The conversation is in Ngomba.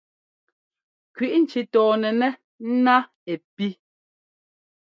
Kʉi ŋki tɔnɛnɛ́ ná ɛ pí.